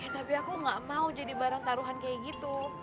tapi aku gak mau jadi barang taruhan kayak gitu